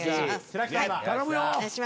頼むよ。